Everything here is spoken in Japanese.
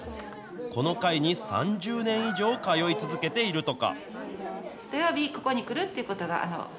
この会に３０年以上通い続けているとか。